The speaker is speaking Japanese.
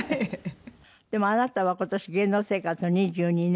でもあなたは今年芸能生活２２年。